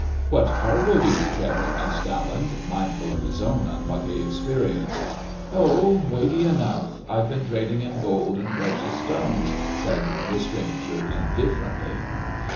"What cargo do you carry?" asked Daland, mindful of his own unlucky experience. "Oh, weighty enough; I've been trading in gold and precious stones," said the stranger indifferently.